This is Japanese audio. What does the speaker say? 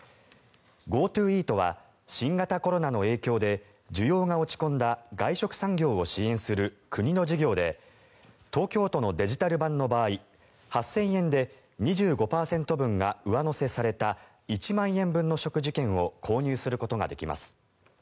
ＧｏＴｏイートは新型コロナの影響で需要が落ち込んだ外食産業を支援する国の事業で東京都のデジタル版の場合８０００円で２５％分が上乗せされた１万円分の食事券を購入することができます。